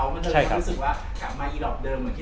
มันเลยมันรู้สึกว่ากลับมาอีหลอบเดิมเหมือนที่เราแชร์